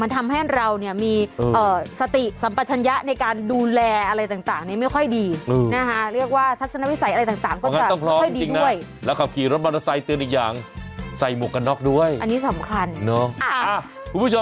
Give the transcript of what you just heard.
มันทำให้เรามีสติสัมปัชญะในการดูแลอะไรต่างเนี่ยไม่ค่อยดี